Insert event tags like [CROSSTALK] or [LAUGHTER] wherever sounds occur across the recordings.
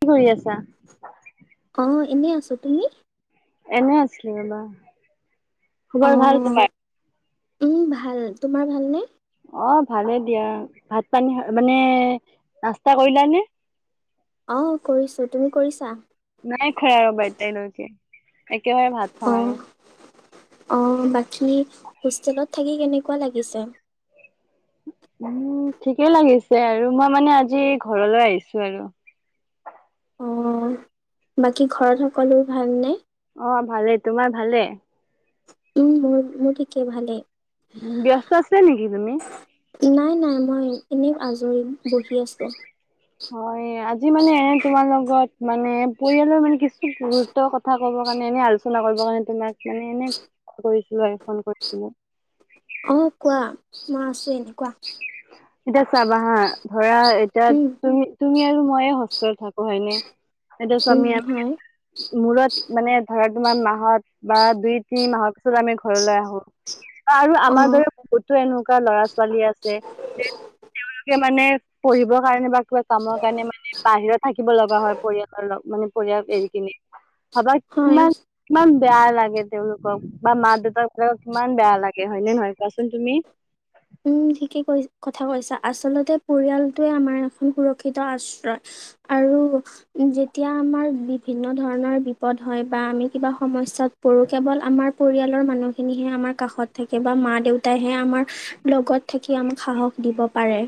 কি কৰি আছা? অ', এনেই আছোঁ। তুমি? এনে আছিলো ৰবা, অ খবৰ ভাল তোমাৰ উম ভাল। তোমাৰ ভালনে? অ', ভালে দিয়া। ভাত, পানী খা মানে, নাস্তা কৰিলানে? অ', কৰিছোঁ। তুমি কৰিছা? নাই খোৱা ৰবা তাই লৈকে। একেবাৰে ভাত। খাম আৰু। অ', অ', বাকী হোষ্টেলত থাকি কেনেকুৱা লাগিছে উম ঠিকেই লাগিছে আৰু, মই মানে আজি ঘৰলৈ আহিছো আৰু অ বাকী, ঘৰত সকলো ভালনে অ', ভালে, তোমাৰ ভালে উম, মোৰ মোৰ ঠিকেই ভালে ব্যস্ত আছা নেকি তুমি? নাই, নাই, মই এনেই আজৰি বহি আছো। হয়, আজি মানে তোমাৰ লগত মানে পৰিয়ালৰ মানে কিছু গুৰুত্বৰ কথা কব কাৰণে, এনে আলোচনা কৰিব কাৰণে তোমাক মানে এনে কৰিছিলো আৰু ফোন কৰিছিলো। অ', কোৱা মই আছো, এনে কোৱা এতিয়া চাবা হা, ধৰা এতিয়া উম তুমি তুমি আৰু মইে হোস্তেলত থাকো হয়নে এতিয়া চোৱা উম, আমি আমি হয় মূৰত মানে, ধৰা তোমাৰ মাহত বা দুই তিনি মাহৰ পিছত আমি ঘৰলৈ আহো, বা আৰু অ আমাৰ দৰে বহুত টো এনেকুৱা ল'ৰা ছোৱালী আছে, যে তেওঁলোকে মানে পঢ়িবৰ কাৰণে, বা কিবা কামৰ কাৰণে মানে বাহিৰত থাকিব লগা হয় পৰিয়ালৰ [UNINTELLIGIBLE] পৰিয়াল এৰিখিনি ভাবা হয় কিমান কিমান বেয়া লাগে তেওঁলোকক বা, মা দেউতাকিলাকক কিমান বেয়া লাগে হয় নে নহয় কোৱাচোন তুমি উম ঠিকেই কৈ কথা কৈছা, আচলতে পৰিয়ালটোৱে আমাৰ এখন সুৰক্ষিত আশ্ৰয়। আৰু যেতিয়া আমাৰ বিভিন্ন ধৰণৰ বিপদ হয় বা আমি কিবা সমস্যাত কৰু কেৱল আমাৰ পৰিয়ালৰ মানুহখিনিহে আমাৰ কাষত থাকে, বা মা দেউতাইহে আমাৰ লগত থাকি আমাক সাহস দিব পাৰে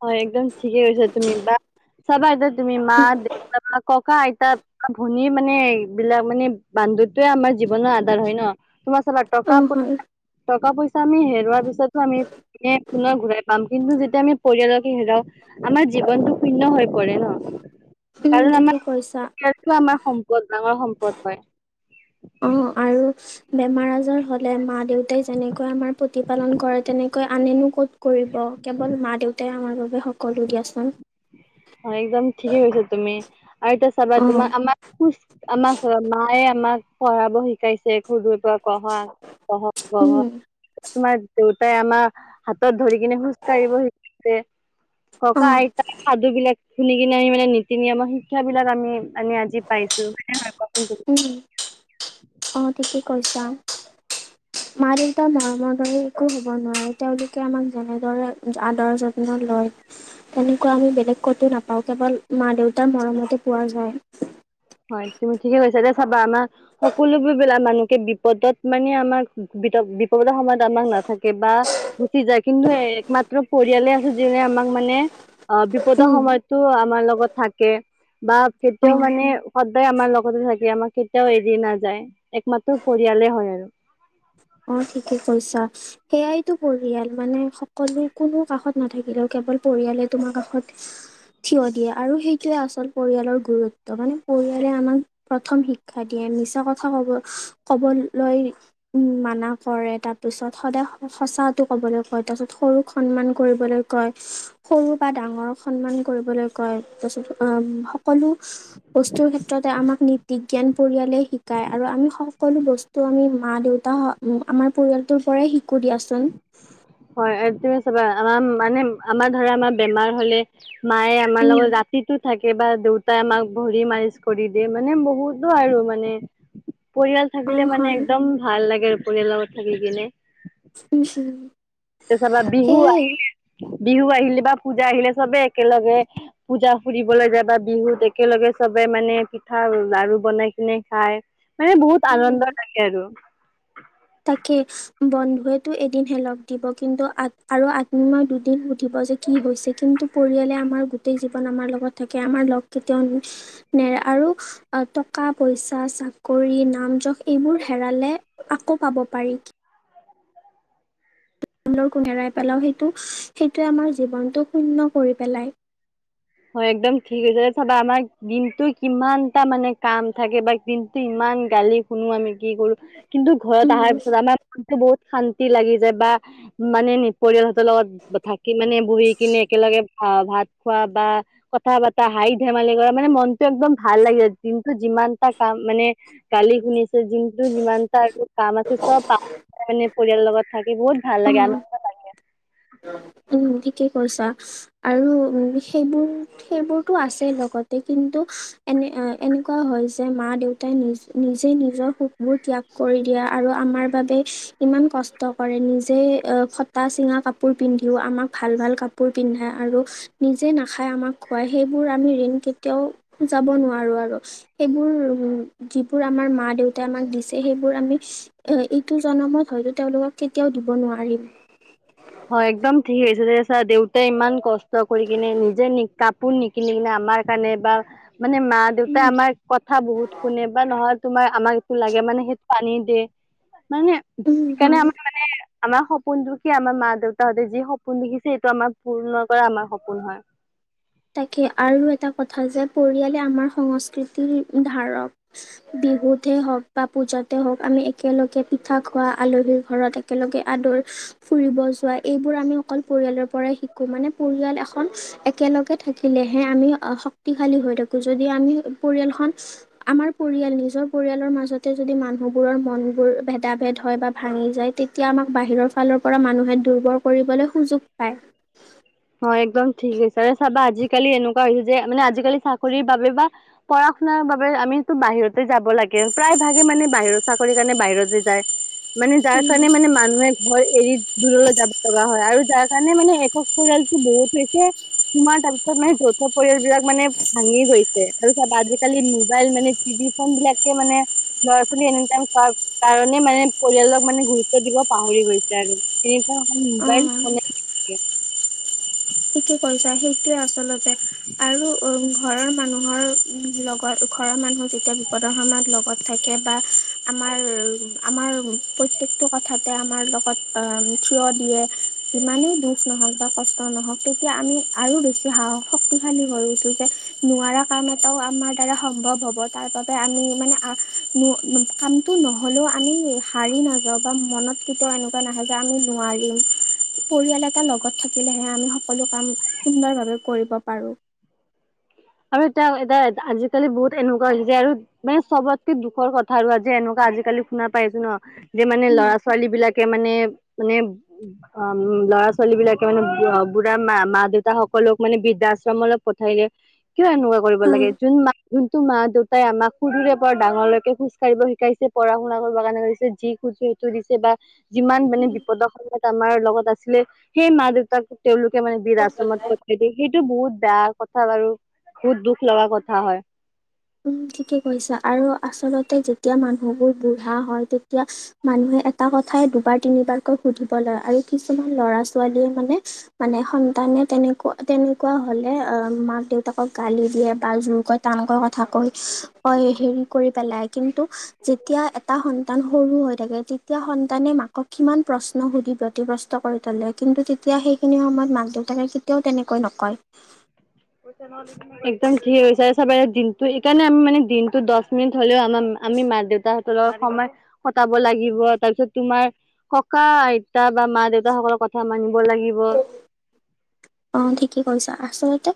হয় একদম ঠিকে কৈছা তুমি, বা চাবা যে তুমি মা দেউতা বা কক আইতাত ভনীৰ মানে এই বিলাক মানে বান্ধোনতোয়ে আমাৰ জীৱনৰ আধাৰ হয় ন। তোমাৰ চাবা টকা অ', হয়, টকা পইচা আমি হেৰুৱাৰ পিছতো আমি পুনৰ ঘূৰাই পাম, কিন্তু যেতিয়া আমি পৰিয়ালকে হেৰাও আমাৰ জীৱনটো শুন্য হৈ পৰে ন উম, কাৰণ, ঠিকে কৈছা। আমাৰ আমাৰ সম্পদ ডাঙৰ সম্পদ হয় অ', আৰু বেমাৰ আজাৰ হলে মা দেউতাই যেনেকৈ আমাৰ প্ৰতিপালন কৰে, তেনেকৈ আনেনো ক'ত কৰিব কেৱল মা দেউতাই আমাৰ বাবে সকলো দিয়াচোন। অ একদম ঠিকেই কৈছা তুমি আৰু এতিয়া চাবা অ', তোমাক আমাক খুজ আমাক চাবা মায়ে আমাক পঢ়াব শিকাইছে সৰুৰ পৰা পঢ়া উম, তোমাৰ দেউতাই আমাৰ হাতত ধৰি কিনে খোজ কাঢ়িব শিকাইছে। ককা অ'। আইতা সাধু বিলাক শুনি কিনে আমি মানে নীতি নিয়মৰ শিক্ষা বিলাক আমি আমি আজি পাইছো হয়নে নহয় কোৱা চোন তুমি। উম, অ ঠিকে কৈছা। [INAUDIBLE] মা দেউতা মৰমৰ দৰে একো হ'ব নোৱাৰে তেওঁলোকে আমাক যেনেদৰে আদৰ যত্ন লয়। তেনেকুৱা আমি বেলেগ ক'তো নাপাওঁ কেৱল মা দেউতাৰ মৰমতে পোৱা যায়। হয় তুমি ঠিকে কৈছা এ চাবা আমাৰ সকলোবোৰ বিলাক মানুহকে বিপদত মানে আমাক বি বিপদৰ সময়ত আমাক নাথাকে বা গুচি যায় কিন্তু একমাত্ৰ পৰিয়ালে আছে যোনে আমাক মানে অ বিপদৰ উম, সময়তো আমাৰ লগত থাকে বা কেতিয়াও অ'। মানে সদায় আমাৰ লগতে থাকে আমাৰ কেতিয়াও এৰি নাযায় একমাত্ৰ পৰিয়ালে হয় আৰু অ ঠিকে কৈছা সেয়াইতো পৰিয়াল মানে সকলো কোনো কাষত নাথাকিলেও কেৱল পৰিয়ালে তোমাৰ কাষত থিয় দিয়ে আৰু সেইটোৱে আচল পৰিয়ালৰ গুৰুত্ব মানে পৰিয়ালে আমাক প্ৰথম শিক্ষা দিয়ে মিছা কথা ক'ব ক'বলৈ উম মানা কৰে তাৰপিছত সদায় সঁচা ক'বলৈ কয় তাৰপিছত সৰুক সন্মান কৰিবলৈ কয় সৰু বা ডাঙৰক সন্মান কৰিবলৈ কয় তাৰপিছত সকলো বস্তুৰ ক্ষেত্ৰতে আমাক নীতি জ্ঞান পৰিয়ালে শিকায় আৰু আমি সকলো বস্তু ত' আমি মা দেউতা আমাৰ পৰিয়ালটোৰ পৰাই শিকো দিয়াচোন হয় তুমি চাবা আমাৰ মানে আমাৰ ধৰা আমাৰ বেমাৰ হ'লে মায়ে আমাৰ উম লগত ৰাতিতো থাকে কিবা দেউতাই আমাক ভৰি মালিছ কৰি দিয়ে মানে বহুতো আৰু মানে পৰিয়াল অ থাকিলে মানে হয় একদম ভাল লাগে আৰু পৰিয়ালৰ লগত থাকি কিনে উশি [UNINTELLIGIBLE] তাৰপিছত চাবা বিহু আহিলে বিহু আহিলে বা পূজা আহিলে চবে একেলগে পূজা ফুৰিবলৈ যাবা বিহুত একেলগে চবে মানে পিঠা লাডু বনাই কিনে খায় মানে বহুত উম আনন্দ লাগে আৰু তাকে বন্ধুৱেটো এদিনহে লগ দিব কিন্তু আ আৰু আত্মীয়ে দুদিন সুধিব যে কি হৈছে কিন্তু পৰিয়ালে আমাৰ গোটেই জীৱন আমাৰ লগত থাকে আমাৰ লগ কেতিয়াও নেৰে আৰু টকা পইচা চাকৰি নাম জখ এইবোৰ হেৰালে আকৌ পাব পাৰি হেৰাই পেলাও সেইটো সেইটোৱে আমাৰ জীৱনটো শূন্য কৰি পেলাই হয় একদম ধিৰে চাবা আমাৰ দিনটো কিমানটা মানে কাম থাকে বা দিনটো ইমান গালি শুনো আমি কি কৰোঁ কিন্তু ঘৰত অহাৰ উম পিছত আমাৰ মনটো বহুত শান্তি লাগি যায় বা মানে পৰিয়াল হঁতৰ লগত থাকি মানে বহি কিনে একেলগে অ ভাত খোৱা বা কথা পতা হাঁহি ধেমালি কৰা মানে মনটো একদম ভাল লাগে আৰু দিনটো যিমান এটা কাম মানে কালি শুনিছে দিনটো যিমানটা আৰু কাম আছে চব পা তাৰ মানে পৰিয়ালৰ লগত থাকি বহুত ভাল লাগে আনন্দ উ ঠিকেই কৈছা আৰু উ সেইবোৰ সেইবোৰতো আছে লগতে কিন্তু এনে এনেকুৱা হয় যে মা দেউতাই নিজ নিজে নিজৰ সুখবোৰ ত্যাগ কৰি দিয়া আৰু আমাৰ বাবে ইমান কষ্ট কৰে নিজে ফটা চিঙা কাপোৰ পিন্ধিও আমাক ভাল ভাল কাপোৰ পিন্ধা আৰু নিজে নাখাই আমাক খুৱাই, সেইবোৰ আমি ঋণ কেতিয়াও যাব নোৱাৰো আৰু সেইবোৰ যিবোৰ, আমাৰ মা-দেউতাই আমাক দিছে সেইবোৰ আমি এ এইটো জনমত হয়তো, তেওঁলোকক কেতিয়াও দিব নোৱাৰিম। হয় একদম ঠিক কৈছা। দেউতাই ইমান কষ্ট কৰি কিনে নিজে কাপোৰ নিকিনি কিনে, আমাৰ কাৰণে বা মানে মা-দেউতাই উম আমাৰ কথা বহুত শুনে বা নহয় তোমাৰ আমাক লাগে মানে সেইটো আনি দিয়ে। মানে উম সেইকাৰণে হয় আমাৰ মানে আমাৰ সপোনটো কি আমাৰ মা দেউতাহঁতে যি সপোন দেখিছে, এইটো আমাৰ পূৰ্ণ কৰা আমাৰ সপোন হয়। তাকে আৰু এটা কথা যে পৰিয়ালে আমাৰ সংস্কৃতিৰ ধাৰক। বিহুতে হওঁক বা পূজাতে হওঁক, আমি একেলগে পিঠা খোৱা আলহীৰ ঘৰত একেলগে আদৰ ফুৰিব যোৱা, এইবোৰ আমি অকল পৰিয়ালৰ পৰাই শিকো। মানে পৰিয়াল এখন একেলগে থাকিলেহে আমি শক্তিশালী হৈ থাকোঁ। যদি আমি পৰিয়ালখন আমাৰ পৰিয়াল নিজৰ পৰিয়ালৰ মাজতে যদি মানুহবোৰৰ মন বোৰ ভেদা ভেদ হয়, বা ভাঙি যায় তেতিয়া এতিয়া আমাক বাহিৰৰ ফালৰ পৰা মানুহে দুৰ্বৰ কৰিবলৈ সুযোগ পায়। হয় একদম ঠিক কৈছা। চাবা আজিকালি এনেকুৱা হৈছে যে, মানে আজিকালি চাকৰিৰ বাবে বা পঢ়া শুনাৰ বাবে আমিতো বাহিৰতে যাব লাগে। প্ৰায় ভাগে মানে বাহিৰৰ চাকৰিৰ কাৰণে বাহিৰতে যায়। মানে যাৰ উম, কাৰণে মানে মানুহে ঘৰ এৰি দূৰলৈ যাব লগা হয় আৰু যাৰ কাৰণে মানে একো [UNINTELLIGIBLE] বহুত হৈছে। তোমাৰ তাৰপিছত মানে, যৌথ পৰিয়াল বিলাক মানে ভাঙিয়ে গৈছে। আৰু চব আজিকালি মোবাইল মানে টিভি ফন বিলাকে মানে ল'ৰা ছোৱালী এনি টাইম খোৱাৰ কাৰণে মানে, পৰিয়ালক মানে, গুৰুত্ব দিব পাহৰি গৈছে আৰু [UNINTELLIGIBLE] ম'বাইল অ'। [UNINTELLIGIBLE] কি কি কৰিছা সেইটোৱেই আচলতে আৰু উ ঘৰৰ মানুহৰ লগত, ঘৰৰ মানুহৰ যেতিয়া বিপদৰ সময়ত লগত থাকে, বা আমাৰ আমাৰ প্ৰত্যেকটো কথাতে আমাৰ লগত অ' থিয় দিয়ে। যিমানেই দুখ নহওঁক বা কষ্ট নহওঁক। তেতিয়া আমি আৰু বেছি সাহ শক্তিশালী হৈ উঠো যে, নোৱাৰা কাম এটাও আমাৰ সম্ভৱ হ'ব। তাৰ বাবে আমি মানে, কামটো নহ'লেও আমি হাৰি নাযাওঁ বা মনত কেতিয়াও এনেকুৱা নাহে যে, আমি নোৱাৰিম। পৰিয়াল এটা লগত থাকিলেহে আমি সকলো কাম সুন্দৰ ভাৱে কৰিব পাৰোঁ। আৰু এতিয়া এতিয়া আজিকালি বহুত এনেকুৱা যে, আৰু মানে চবতকে দুখৰ কথা আৰু যে এনেকুৱা আজিকালি শুনা পাইছোঁ ন যে মানে, উম ল'ৰা ছোৱালী বিলাকে মানে মানে, অ' ল'ৰা- ছোৱালী বিলাকে মানে, বুঢ়া মা-মা-দেউতা সকলক মানে বৃদ্ধাশ্ৰম অলৈ পঠাই দিয়ে। কিয় এনেকুৱা কৰিব লাগে, যোন মাক যোনটো মা-দেউতাই আমাক সুৰুৰে পৰা ডাঙৰলৈকে খোজ কাঢ়িব শিকাইছে। পঢ়া শুনা কৰিবৰ কাৰণে কৰিছে। যি [UNINTELLIGIBLE] দিছে বা যিমান মানে, বিপদৰ সময়ত আমাৰ লগত আছিলে সেই মা দেউতাক তেওঁলোকে মানে বীৰ হয়। আশ্ৰমত পঠাই দিয়ে। সেইটো বহুত বেয়া কথা বাৰু বুত দুখ লগা কথা হয়। উম্ ঠিকে কৈছা, আৰু আচলতে যেতিয়া মানুহবোৰ বুঢ়া হয়। তেতিয়া মানুহে এটা কথাই দুবাৰ তিনিবাৰকৈ সুধিব লয় আৰু কিছুমান ল'ৰা ছোৱালীয়ে মানে মানে সন্তানে তেনেক তেনেকুৱা হ'লে আহ মাক দেউতাকক গালি দিয়ে বা জোৰকৈ টানকৈ ক কথাকৈ ক হেৰি কৰি পেলাই। কিন্তু যেতিয়া এটা সন্তান সৰু হৈ থাকে। [UNINTELLIGIBLE] তেতিয়া সন্তানে মাকক কিমান প্ৰশ্ন সুধি ব্যতিব্ৰস্ত কৰি তোলে। কিন্তু তেতিয়া সেইখিনি সময়ত মাক দেউতাকে তেওঁ তেনেকৈ নকয়। [UNINTELLIGIBLE] একদম ঠিক হৈছে আৰু চব দিনটো এইকাৰণে আমি মানে দিনটো দহ মিনিট হ'লেও আমাৰ আমি মা দেউতা সময় কটাব লাগিব তাৰপিছত তোমাৰ থকা আইতা বা মা দেউতা সকলৰ কথা মানিব লাগিব অ ঠিকেই কৰিৈছা আচলতে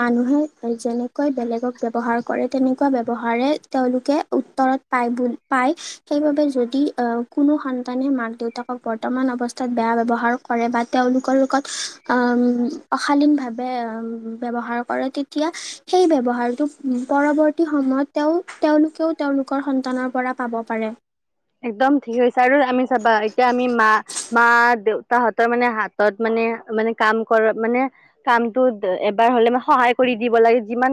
মানুহে যেনেকৈ বেলেগক ব্য্ৱহাৰ কৰে তেনেকুৱা ব্য্ৱহাৰে তেওঁলোকে উত্তৰত প পায় সেইবাবে যদি আহ কোনো সন্তানে মাক দেউতাকক বৰ্তমান অৱস্থা বেয়া ব্যৱহাৰ কৰে বা তেওঁলোকৰ লগত অশালীন ভাৱে ব্য্ৱহাৰ কৰে তেতিয়া সেই ব্য্ৱহাৰটো পৰৱৰ্তী সময়ত তেওঁ তেওঁলোকেও তেওঁলোকৰ সন্তানৰ পৰা পাব পাৰে একদম ঠিক হৈছে আৰু আমি চাবা এতিয়া আমি মা মা দেউতাহঁতৰ মানে হাতত মানে মানে কাম কৰ মানে কামটোত এবাৰ হলে মানে সহায় কৰি দিব লাগে যিমান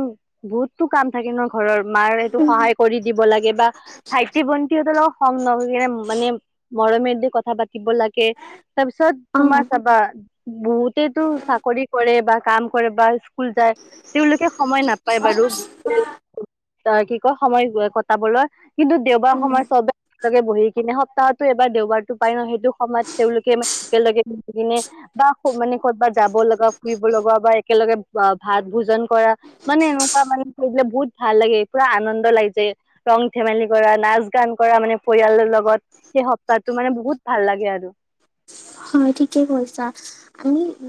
বহুতো কাম থাকে ন ঘৰৰ মাৰ সেইটো সহায় কৰি দিব লাগে বা ভাইটি ভণ্টিত অল খং নহ কিনে মানে মৰমেৰে দি কথা পাা কি বলকে তাৰপিছত তোমাৰ চাবা বহুতেতো চাকৰি কৰে বা কাম কৰে বা স্ুল যায় তেওঁলোকে সময় নাপায় বাৰু অ কি কয় সময় কটাবলৈ কিন্তু দেওবাৰ অ সময় চবে একেলগে বহি কিনে সপ্তাহতো এবাৰ দেওবাৰতো পায় ন সেইটো সময়ত তেওঁলোকে একেলগে বহি কিনে বা মানে কৰ'বাত যাব লগা ফুৰিব লগা বা একেলগে ভাত ভোজন কৰা মানে এনেকুৱা মানে কৰি দিলে বহুত ভাল লাগে পুৰা আনন্দ লাগি যায় ৰং ধেমালি কৰা নাচ গান কৰা মানে পৰিয়ালৰ লগত সেই সপ্তাহটো মানে বহুত ভাল লাগে আৰু হয় ঠিকে কৈছা আমি উ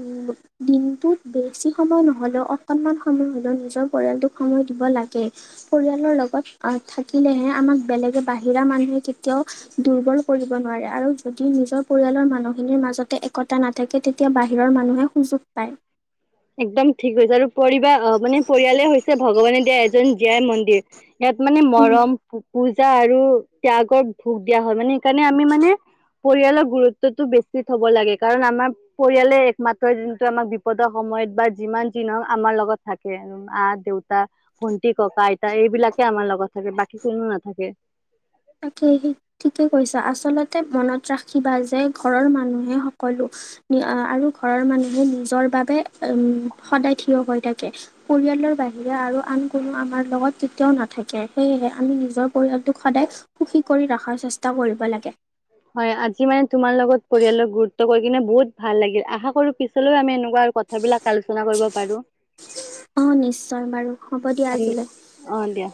দিনটোত বেছি সময় নহলেও অকণমান সময় হলেও নিজৰ পৰিয়ালটোক সময় দিব লাগে পৰিয়ালৰ লগত আহ থাকিলেহে আমাক বেলেগে বাহিৰা মানুহে কেতিয়াও দুৰ্বল কৰিব নোৱাৰে আৰু যদি নিজৰ পৰিয়ালৰ মানুহ বাহিনীৰ মাজতে একতা নাথাকে তেতিয়া বাহিৰৰ মানুহে সুযোগ পায় একদম ঠিক হৈছে আৰু পৰিবাৰ আহ মানে পৰিয়ালে হৈছে ভগৱানে দিয়া এজন জীয়াই মন্দিৰ ইয়াত মানে উম মৰম পূজা আৰু ত্যাগক ভোক দিয়া হয় মানে সেইকাৰণে আমি মানে পৰিয়ালৰ গুৰুত্বতটো বেছি থব লাগে কাৰণ আমাৰ পৰিয়ালে একমাত্ৰ দোনটো আমাক বিপদৰ সময়ত বা যিমান যিনক আমাৰ লগত থাকে আ দেউতা ভন্টি ককা আইতা এইবিলাকে আমাৰ লগত থাকে বাকী কোনো নাথাকে তাকে সেই ঠিকে কৈছা আচলতে মনত ৰাখিবা যে ঘৰৰ মানুহে কলো আৰু ঘৰৰ মানুহো নিজৰ বাবে উম সদায় থিয় হৈ থাকে পৰিয়ালৰ বাহিৰে আৰু আন কোনো আমাৰ লগত কেতিয়াও নাথাকে সেয়েহে আমি নিজৰ পৰিয়ালটোক সদায় সুখী কৰি ৰখাৰ চেষ্টা কৰিব লাগে হয় আজি মানে তোমাৰ লগত পৰিয়ালক গুৰুত্ব কৰি কিনে বহুত ভাল লাগিল আশা কৰো পিছলৈও আমি এনেকুৱা কথা কথাবিলাক আলোচনা কৰিব পাৰো অ নিশ্চয় বাৰু হ'ব দিয়া ধন্য আজিলৈ অ দিয়া